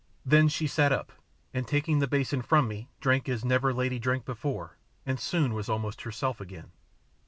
Then she sat up, and taking the basin from me drank as never lady drank before, and soon was almost herself again.